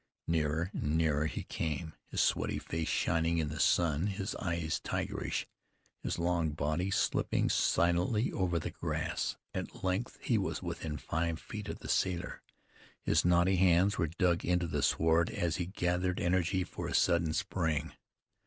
Nearer and nearer he came; his sweaty face shining in the sun; his eyes tigerish; his long body slipping silently over the grass. At length he was within five feet of the sailor. His knotty hands were dug into the sward as he gathered energy for a sudden spring.